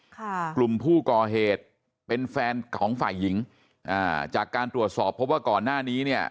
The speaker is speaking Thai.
กลุ่มผู้ก่อเหตุเป็นแฟนของฝ่ายหญิงอ่าจากการตรวจสอบพบว่าก่อนหน้านี้เนี่ย